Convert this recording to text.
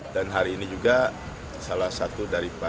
dan hari ini juga salah satu dari perempuan